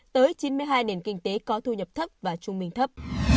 tới chín mươi hai nền kinh tế có thu nhập thấp và trung bình thấp